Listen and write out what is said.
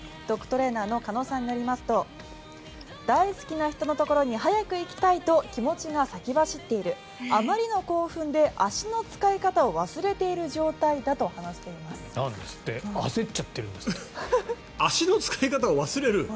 ドッグトレーナーの鹿野さんによりますと大好きな人のところに早く行きたいと気持ちが先走っているあまりの興奮で足の使い方を忘れている状態だと話しています。